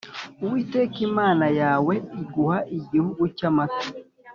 Uwiteka imana yawe iguha igihugu cy amata